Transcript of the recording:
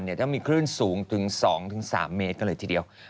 จะมีคลื่นสูงถึง๒๓เมตรก็เลยทีเดียว